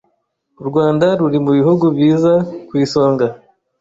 U Rwanda ruri mu bihugu biza ku isonga